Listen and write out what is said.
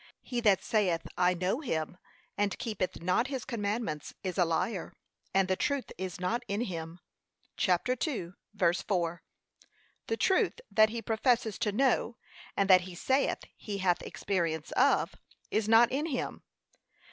'He that saith, I know him, and heepeth not his commandments, is a liar, and the truth is not in him.' (ch. 2:4) The truth that he professes to know, and that he saith he hath experience of, is not in him.